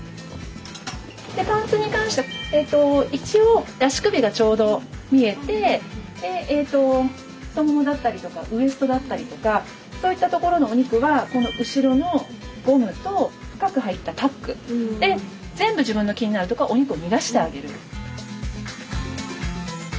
でパンツに関しては一応足首がちょうど見えて太ももだったりとかウエストだったりとかそういったところのお肉はこの後ろのゴムと深く入ったタックで全部自分の気になるところはお肉を逃がしてあげる。